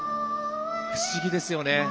不思議ですよね。